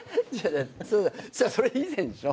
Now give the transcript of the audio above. それ以前でしょ。